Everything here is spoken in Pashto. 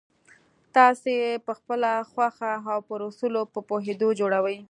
تاسې یې پخپله خوښه او پر اصولو په پوهېدو جوړوئ